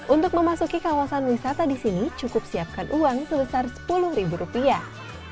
untuk memasuki kawasan wisata di sini cukup siapkan uang sebesar sepuluh ribu rupiah